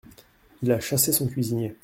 Il a chassé son cuisinier.